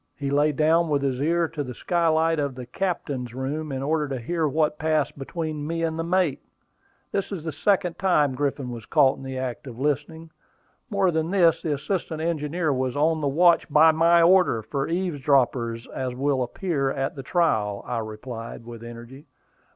He lay down with his ear to the skylight of the captain's room in order to hear what passed between me and the mate. This is the second time Griffin was caught in the act of listening. More than this, the assistant engineer was on the watch, by my order, for eavesdroppers, as will appear at the trial," I replied, with energy.